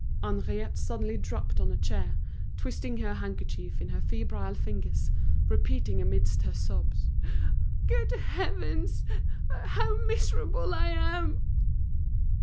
Henriette suddenly dropped on a chair, twisting her handkerchief in her febrile fingers, repeating amidst her sobs: "Good heavens! How miserable I am!"